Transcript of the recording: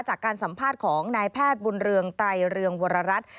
จากการสัมภาษณ์ของนายแพทย์บุญเรืองไตรเรืองวรรัฐ